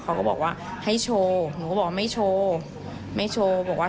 เขาก็บอกว่าให้โชว์หนูก็บอกว่าไม่โชว์ไม่โชว์บอกว่า